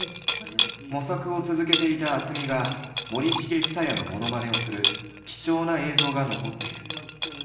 模索を続けていた渥美が森繁久彌のモノマネをする貴重な映像が残っている。